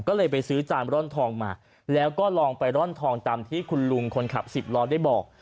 ก็เลยไปซื้อจานร่อนทองมาแล้วก็ลองไปร่อนทองตามที่คุณลุงคนขับสิบล้อได้บอก